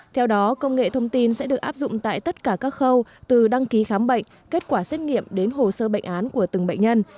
theo đó công nghệ thông tin sẽ được áp dụng tại tất cả các khâu từ đăng ký khám bệnh kết quả xét nghiệm đến hồ sơ bệnh án của từng bệnh nhân